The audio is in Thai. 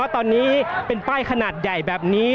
ตอนนี้เป็นป้ายขนาดใหญ่แบบนี้